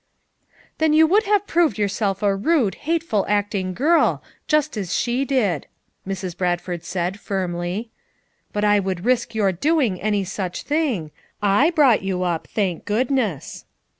"Then you would have proved yourself a rude, hateful acting girl, just as she did," Mrs. Bradford said firmly. "But I would risk your 109 110 FOUR MOTHERS AT CHAUTAUQUA doing any such thing; I brought you up, thank goodness."